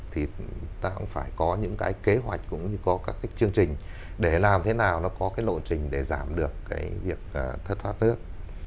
thì ta cũng phải có những cái kế hoạch cũng như có các cái chương trình để làm thế nào nó có cái lộ trình để giảm được cái việc thất thoát nước